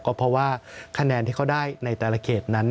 ก็เพราะว่าคะแนนที่เขาได้ในแต่ละเขตนั้น